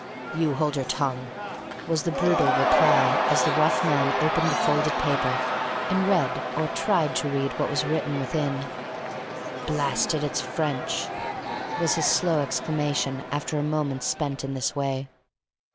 "You hold your tongue," was the brutal reply as the rough man opened the folded paper and read or tried to read what was written within. "Blast it! it's French," was his slow exclamation after a moment spent in this way.